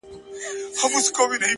ته دي ټپه په اله زار پيل کړه؛